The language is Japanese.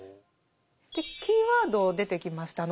でキーワード出てきました。